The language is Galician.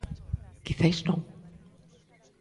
"Quizais non."